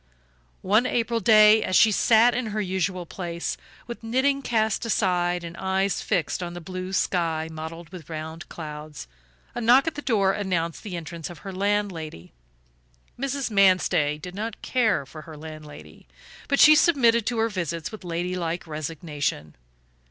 One April day, as she sat in her usual place, with knitting cast aside and eyes fixed on the blue sky mottled with round clouds, a knock at the door announced the entrance of her landlady. Mrs. Manstey did not care for her landlady, but she submitted to her visits with ladylike resignation.